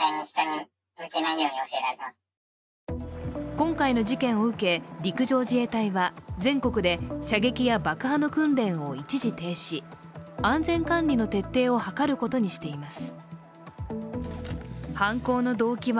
今回の事件を受け、陸上自衛隊は全国で射撃や爆破の訓練を一時停止安全管理の徹底を図ることにしています。